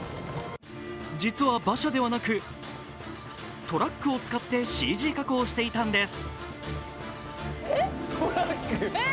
実は馬車ではなくトラックを使ってＣＧ加工していたんです。